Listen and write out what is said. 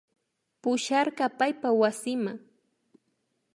Pusharka paypa wasima